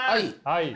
はい。